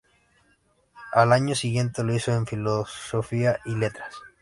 Al año siguiente lo hizo en Filosofía y Letras.